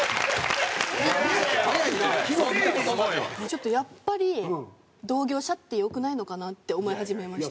ちょっとやっぱり同業者ってよくないのかなって思い始めまして。